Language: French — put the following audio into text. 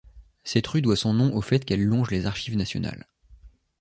Cette rue doit son nom au fait qu'elle longe les Archives nationales.